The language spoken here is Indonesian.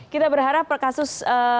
kita berharap kasus